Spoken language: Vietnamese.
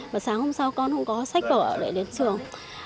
và sáng hôm sau con không có sách vở để đến trường